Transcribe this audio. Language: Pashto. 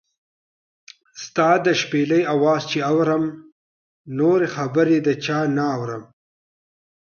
ستا د شپېلۍ اواز چې اورم، نورې خبرې د چا نۀ اورم